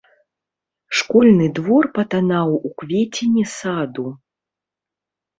Школьны двор патанаў у квецені саду.